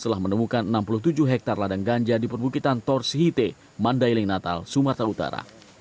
telah menemukan enam puluh tujuh hektare ladang ganja di perbukitan torsihite mandailing natal sumatera utara